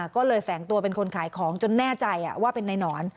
ก็เลยแฝงตัวเป็นคนขายของจนแน่ใจว่าเป็นนายหนอน